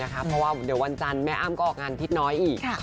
เพราะว่าเดี๋ยววันจันทร์แม่อ้ำก็ออกงานทิศน้อยอีก